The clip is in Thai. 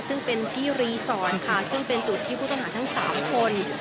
ซึ่งเป็นที่รีสอร์ทค่ะซึ่งเป็นจุดที่ผู้ต้องหาทั้ง๓คน